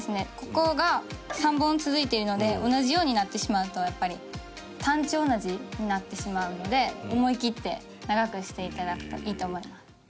ここが３本続いているので同じようになってしまうとやっぱり単調な字になってしまうので思いきって長くして頂くといいと思います。